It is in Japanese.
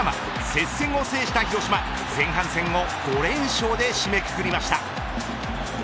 接戦を制した広島前半戦を５連勝で締めくくりました。